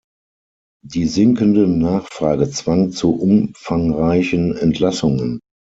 Die sinkende Nachfrage zwang zu umfangreichen Entlassungen.